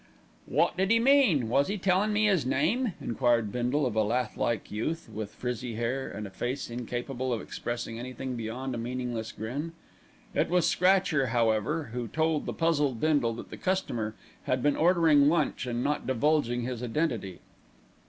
"Wot did 'e mean? Was 'e tellin' me 'is name?" enquired Bindle of a lath like youth, with frizzy hair and a face incapable of expressing anything beyond a meaningless grin. It was Scratcher, however, who told the puzzled Bindle that the customer had been ordering lunch and not divulging his identity.